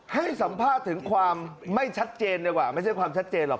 ให้สัมภาษณ์ถึงความไม่ชัดเจนดีกว่าไม่ใช่ความชัดเจนหรอก